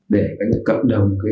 để cập đồng